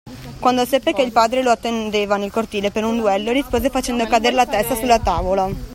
Quando seppe che il padre lo attendeva nel cortile per un duello rispose facendo cadere la testa sulla tavola.